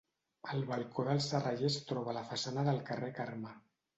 El balcó del serraller es troba a la façana del carrer Carme.